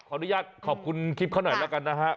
อนุญาตขอบคุณคลิปเขาหน่อยแล้วกันนะฮะ